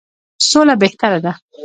سوله بهتره ده.